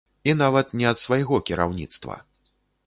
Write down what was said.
І нават не ад свайго кіраўніцтва.